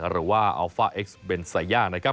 หรือว่าอัลฟ่าเอ็กซ์เบนซาย่านะครับ